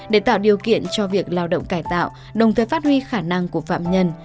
để tạo điều kiện cho việc lao động cải tạo đồng thời phát huy khả năng của phạm nhân